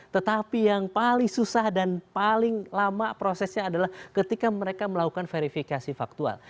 tetapi yang paling susah dan paling lama prosesnya adalah ketika mereka melakukan verifikasi faktual